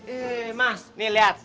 eh mas nih lihat